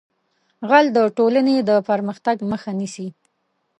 غل د ټولنې د پرمختګ مخه نیسي